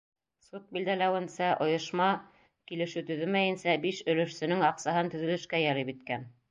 Суд билдәләүенсә, ойошма килешеү төҙөмәйенсә биш өлөшсөнөң аҡсаһын төҙөлөшкә йәлеп иткән.